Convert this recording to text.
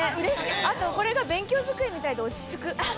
あと、これが勉強机みたいで落ち着く。